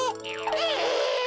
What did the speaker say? え！？